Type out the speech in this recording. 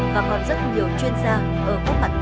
và còn rất nhiều chuyên gia ở gốc mặt công tác công an